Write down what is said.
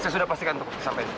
sudah dipastiin sampai pak